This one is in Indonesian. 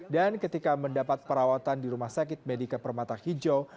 dan ketika mendapat perawatan di rumah sakit medika permata hijau